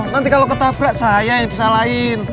nanti kalau ketabrak saya yang disalahin